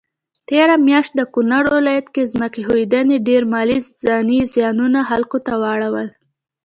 تيره مياشت د کونړ ولايت کي ځمکي ښویدني ډير مالي ځانی زيانونه خلکوته واړول